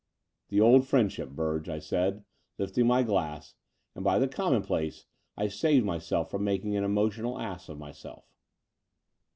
"The old friendship, Burge," I said, lifting my glass: and by the commonplace I saved myself from making an emotional ass of myself.